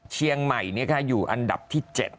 เชียงใหม่อยู่อันดับที่๗